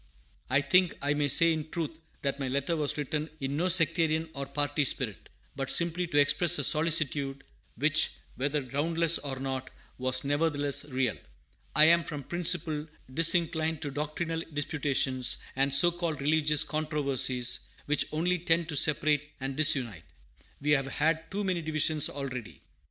I think I may say in truth that my letter was written in no sectarian or party spirit, but simply to express a solicitude, which, whether groundless or not, was nevertheless real. I am, from principle, disinclined to doctrinal disputations and so called religious controversies, which only tend to separate and disunite. We have had too many divisions already.